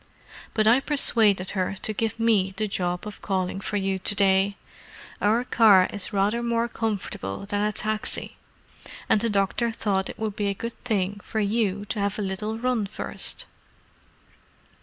"But I persuaded her to give me the job of calling for you to day: our car is rather more comfortable than a taxi, and the doctor thought it would be a good thing for you to have a little run first."